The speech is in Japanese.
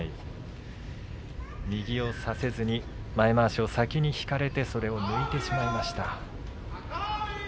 右を差せずに前まわしを先に引かれてそれを抜いてしまいました。